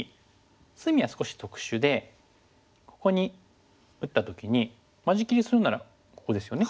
隅は少し特殊でここに打った時に間仕切りするならここですよね。